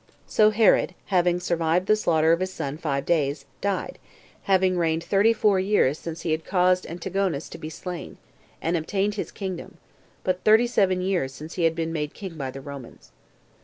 8. So Herod, having survived the slaughter of his son five days, died, having reigned thirty four years since he had caused Antigonus to be slain, and obtained his kingdom; but thirty seven years since he had been made king by the Romans.